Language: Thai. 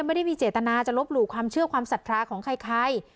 ไม่ได้มีเจตนาจะลบหลู่ความเชื่อความศรัทธาของใคร